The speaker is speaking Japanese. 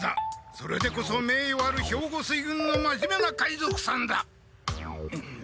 それでこそ名誉ある兵庫水軍のまじめな海賊さんだ。